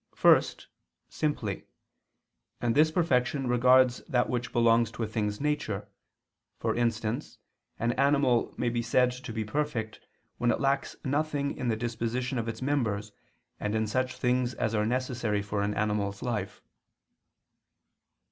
First, simply: and this perfection regards that which belongs to a thing's nature, for instance an animal may be said to be perfect when it lacks nothing in the disposition of its members and in such things as are necessary for an animal's life.